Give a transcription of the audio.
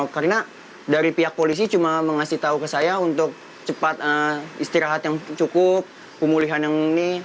karena dari pihak polisi cuma mengasih tahu ke saya untuk cepat istirahat yang cukup pemulihan yang ini